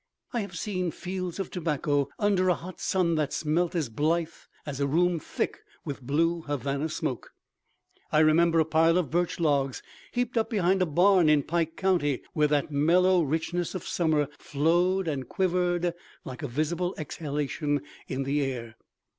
I have seen fields of tobacco under a hot sun that smelt as blithe as a room thick with blue Havana smoke. I remember a pile of birch logs, heaped up behind a barn in Pike County, where that mellow richness of summer flowed and quivered like a visible exhalation in the air.